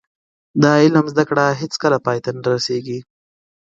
د علم زده کړه هیڅکله پای ته نه رسیږي.